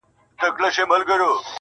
ستا د ساګانو نه جامې وکړم که څه وکړمه